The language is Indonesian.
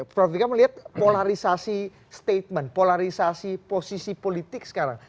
prof vika melihat polarisasi statement polarisasi posisi politik sekarang